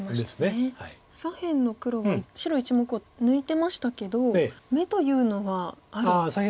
左辺の黒は白１目を抜いてましたけど眼というのはあるんですか？